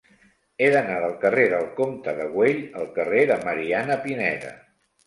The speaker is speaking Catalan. He d'anar del carrer del Comte de Güell al carrer de Mariana Pineda.